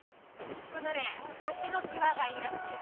このね橋の際がいいらしい。